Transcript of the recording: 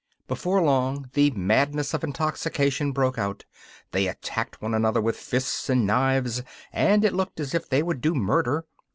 Before long the madness of intoxication broke out; they attacked one another with fists and knives, and it looked as if they would do murder.